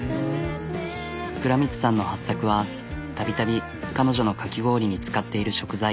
藏光さんのハッサクはたびたび彼女のかき氷に使っている食材。